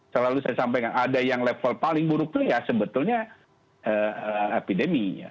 selalu saya sampaikan ada yang level paling buruk itu ya sebetulnya epidemi ya